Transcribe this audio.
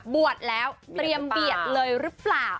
บวชแล้วเตรียมเบียดเลยหรือเปล่า